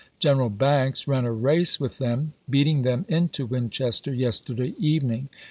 General Banks ran a race with them, beating them into Winchester yesterday evening.